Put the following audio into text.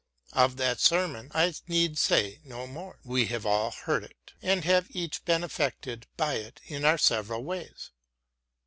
Of that sermon I need say no more : we have all heard it, and have each been affected by it in our several ways.